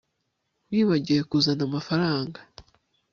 wibagiwe kuzana amafaranga